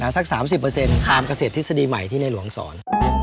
สัก๓๐ตามเกษตรทฤษฎีใหม่ที่ในหลวงสอน